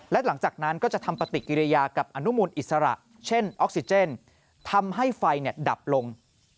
และหลังจากนั้นก็จะทำปฏิกิริยากับอนุมูลอิสระเช่นออกซิเจนทำให้ไฟดับลง